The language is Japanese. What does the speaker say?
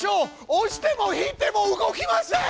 押しても引いても動きません！